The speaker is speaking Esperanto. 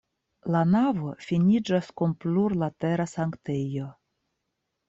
La navo finiĝas kun plurlatera sanktejo.